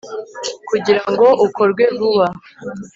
kugira ngo ukorwe vuba